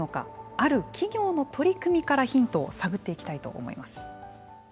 ある企業の取り組みからヒントを探っていきたいと思います。